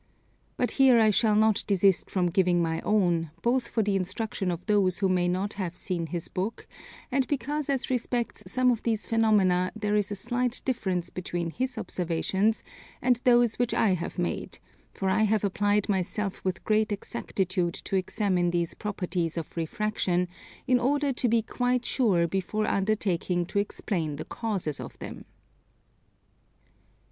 But here I shall not desist from giving my own, both for the instruction of those who may not have seen his book, and because as respects some of these phenomena there is a slight difference between his observations and those which I have made: for I have applied myself with great exactitude to examine these properties of refraction, in order to be quite sure before undertaking to explain the causes of them.